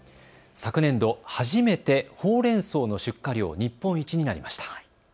昨年度、初めてほうれんそうの出荷量日本一になりました。